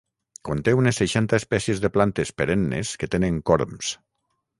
Conté unes seixanta espècies de plantes perennes que tenen corms.